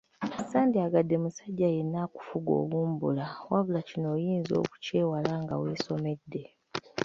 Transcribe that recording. Ssandyagadde musajja yenna akufuge obumbula wabula kino oyinza okukyewala nga weesomedde.